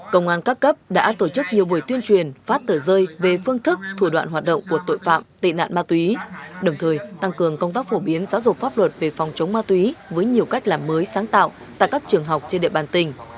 công an các cấp đã tổ chức nhiều buổi tuyên truyền phát tờ rơi về phương thức thủ đoạn hoạt động của tội phạm tệ nạn ma túy đồng thời tăng cường công tác phổ biến giáo dục pháp luật về phòng chống ma túy với nhiều cách làm mới sáng tạo tại các trường học trên địa bàn tỉnh